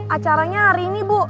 acaranya hari ini ibu